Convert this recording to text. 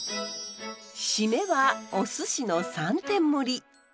締めはおすしの３点盛り。